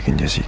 aku dengan iwe